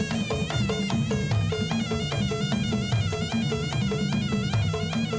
bapak profesor dr ing baharudin yusuf habibi